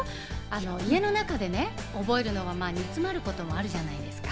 家の中でね、覚えるのは煮詰まることもあるじゃないですか。